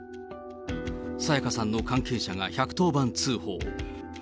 沙也加さんの関係者が１１０番通報。